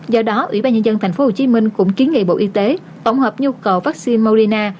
do đó ủy ban nhân dân tp hcm cũng kiến nghị bộ y tế tổng hợp nhu cầu vaccine morina